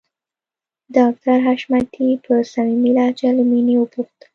ډاکټر حشمتي په صميمي لهجه له مينې وپوښتل